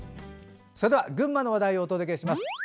群馬の話題をお届けします。